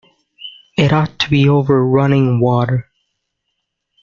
It ought to be over running water.